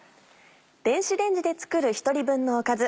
電子レンジで作る１人分のおかず